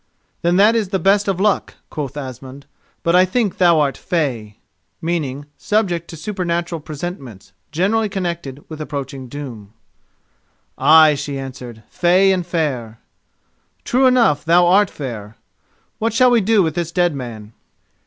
"Then that is the best of luck," quoth Asmund; "but I think that thou art fey."[*] [*] I.e. subject to supernatural presentiments, generally connected with approaching doom. "Ay," she answered, "fey and fair." "True enough thou art fair. What shall we do with this dead man?"